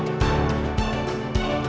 eh kenapa sayang